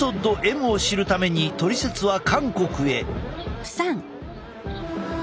Ｍを知るために「トリセツ」は韓国へ。